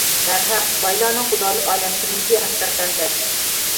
بەرھەق، بايلارنىڭ خۇدالىق ئالەمگە كىرمىكى ھەقىقەتەن تەس.